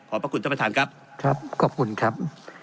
พระคุณท่านประธานครับครับขอบคุณครับ